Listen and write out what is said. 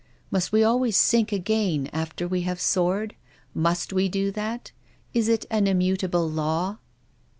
Must we always sink again after we have soared? Must we do that? Is it an immutable law?"